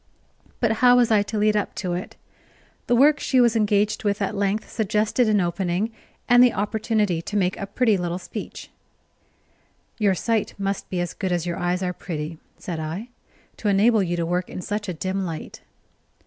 But how was I to lead up to it? The work she was engaged with at length suggested an opening, and the opportunity to make a pretty little speech. "Your sight must be as good as your eyes are pretty," said I, "to enable you to work in such a dim light."